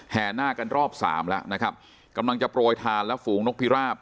หน้ากันรอบสามแล้วนะครับกำลังจะโปรยทานและฝูงนกพิราบ